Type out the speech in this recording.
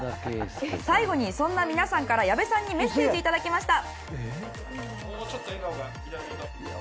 最後に、そんな皆さんから矢部さんにメッセージを頂きました。